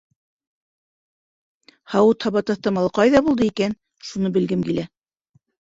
Һауыт-һаба таҫтамалы ҡайҙа булды икән, шуны белгем килә